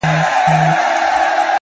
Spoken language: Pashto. • زه چي له خزان سره ژړېږم ته به نه ژاړې,